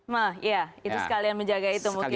nah ya itu sekalian menjaga itu mungkin bisa